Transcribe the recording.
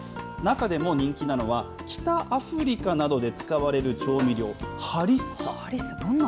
中でも人気なのは、北アフリカなどで使われる調味料、ハリッサ。